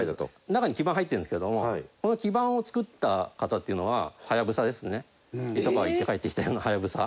中に基板入ってるんですけどもこの基板を作った方っていうのははやぶさですねイトカワ行って帰ってきたようなはやぶさ。